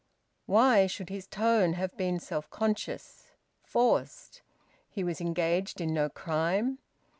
Why should his tone have been self conscious, forced? He was engaged in no crime.